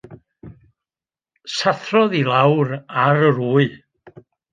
Sathrodd i lawr ar yr wy.